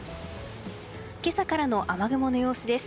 今朝からの雨雲の様子です。